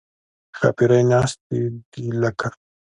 ښاپېرۍ ناستې دي لکه